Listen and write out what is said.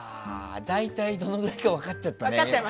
大体、どのくらいか分かっちゃったね。